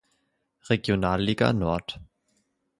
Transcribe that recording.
Regionalliga Nord.